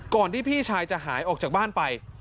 ที่พี่ชายจะหายออกจากบ้านไป